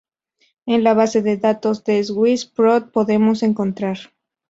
En la base de datos de Swiss-Prot podemos encontrar.